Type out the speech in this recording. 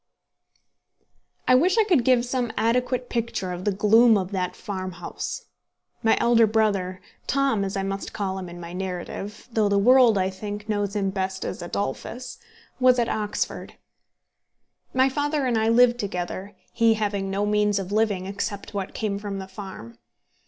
I wish I could give some adequate picture of the gloom of that farmhouse. My elder brother Tom as I must call him in my narrative, though the world, I think, knows him best as Adolphus was at Oxford. My father and I lived together, he having no means of living except what came from the farm.